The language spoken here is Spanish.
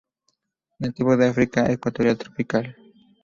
Nativo de África ecuatorial tropical.